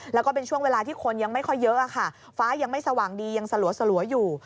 แล้วก็เป็นช่วงเวลาที่คนยังไม่ค่อยเยอะค่ะฟ้ายังไม่สว่างดียังสลัวอยู่